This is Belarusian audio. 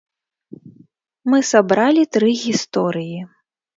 Мы сабралі тры гісторыі.